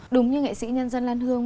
đúng như nghệ sĩ nhân dân lan hương